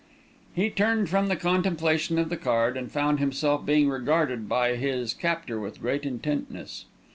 He turned from the contemplation of the card, and found himself being regarded by his captor with great intentness.